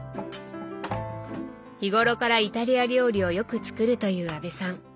日頃からイタリア料理をよく作るという阿部さん。